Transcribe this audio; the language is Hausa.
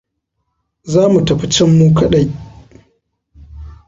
Za mu tafi can mu kaɗai.